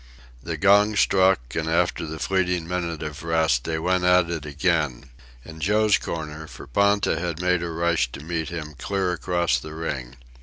The gong struck, and after the fleeting minute of rest, they went at it again in Joe's corner, for Ponta had made a rush to meet him clear across the ring.